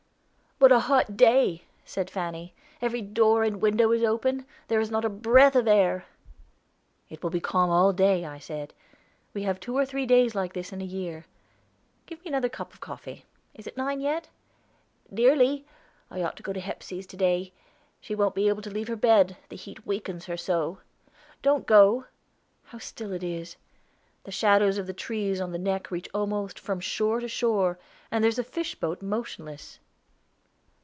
"What a hot day!" said Fanny. "Every door and window is open. There is not a breath of air." "It will be calm all day," I said. "We have two or three days like this in a year. Give me another cup of coffee. Is it nine yet?" "Nearly. I ought to go to Hepsey's to day. She wont be able to leave her bed, the heat weakens her so." "Do go. How still it is! The shadows of the trees on the Neck reach almost from shore to shore, and there's a fish boat motionless."